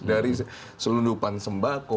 dari selundupan sembako